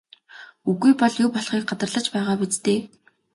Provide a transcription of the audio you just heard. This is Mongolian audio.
Үгүй бол юу болохыг гадарлаж байгаа биз дээ?